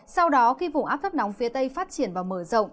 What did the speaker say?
sau đó khi vùng áp thấp nóng phía tây phát triển và mở rộng